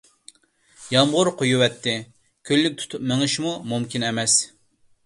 يامغۇر قۇيۇۋەتتى، كۈنلۈك تۇتۇپ مېڭىشمۇ مۇمكىن ئەمەس.